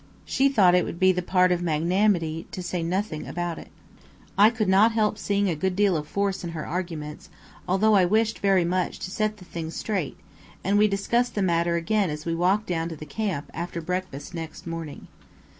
She thought it would be the part of magnanimity to say nothing about it. I could not help seeing a good deal of force in her arguments, although I wished very much to set the thing straight, and we discussed the matter again as we walked down to the camp, after breakfast next morning.